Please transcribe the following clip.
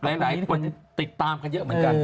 หลายคนติดตามกันเยอะเหมือนกัน